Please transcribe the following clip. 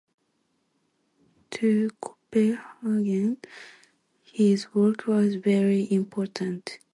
To Copenhagen his work was very important.